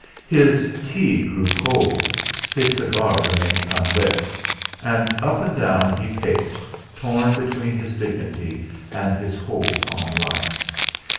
His tea grew cold, his cigar remained unlit; and up and down he paced, torn between his dignity and his hold on life.